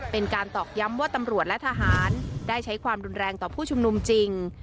ตอกย้ำว่าตำรวจและทหารได้ใช้ความรุนแรงต่อผู้ชุมนุมจริง